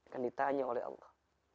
kan ditanya oleh allah